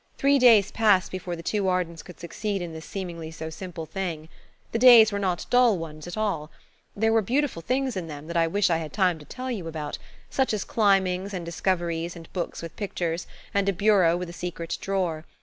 Three days passed before the two Ardens could succeed in this seemingly so simple thing. The days were not dull ones at all. There were beautiful things in them that I wish I had time to tell you about–such as climbings and discoveries and books with pictures, and a bureau with a secret drawer.